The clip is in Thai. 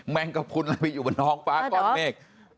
แมงกระพุนมันไปอยู่บนห้องฟ้ากล้องเหน็ก